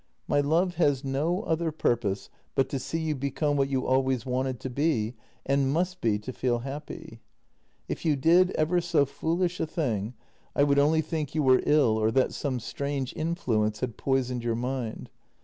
My love has no other purpose but to see you become what you always wanted to be and must be to feel happy. If you did ever so foolish a thing, I would only think you were ill or that some strange in fluence had poisoned your mind.